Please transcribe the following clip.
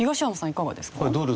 いかがですか？